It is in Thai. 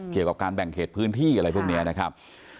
เกี่ยวกับการแบ่งเขตพื้นที่อะไรพวกนี้นะครับ